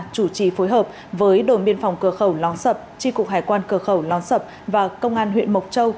chủ trì phối hợp với đồn biên phòng cửa khẩu lóng sập tri cục hải quan cửa khẩu lón sập và công an huyện mộc châu